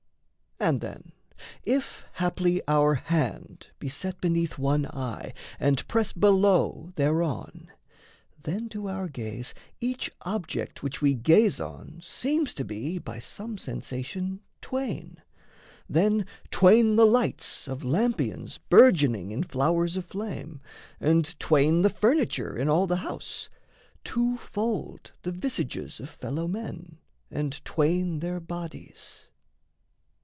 And then, If haply our hand be set beneath one eye And press below thereon, then to our gaze Each object which we gaze on seems to be, By some sensation twain then twain the lights Of lampions burgeoning in flowers of flame, And twain the furniture in all the house, Two fold the visages of fellow men, And twain their bodies.